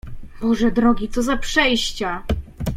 "Boże drogi, co za przejścia!"